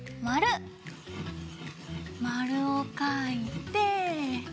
まるをかいて。